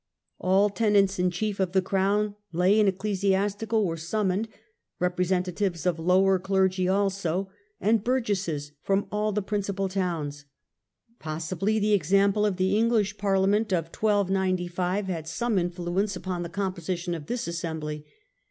All tenants 5 66 THE END OF THE MIDDLE AGE in chief of the Crown, lay and ecclesiastical, were summoned, representatives of lower clergy also, and burgesses from all the principal towns. Possibly the example of the English Parliament of 1295 had some influence upon the composition of this Assembly.